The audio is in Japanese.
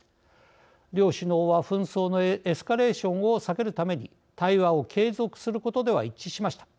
両首脳は紛争のエスカレーションを避けるために対話を継続することでは一致しました。